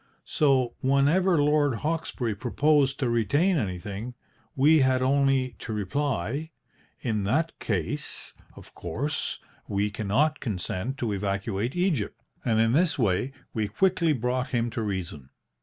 So whenever Lord Hawkesbury proposed to retain anything, we had only to reply, 'In that case, of course, we cannot consent to evacuate Egypt,' and in this way we quickly brought him to reason.